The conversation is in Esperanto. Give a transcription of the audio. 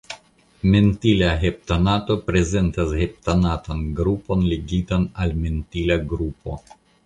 Mentila heptanato prezentas heptanatan grupon ligitan al mentila grupo.